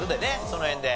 その辺で。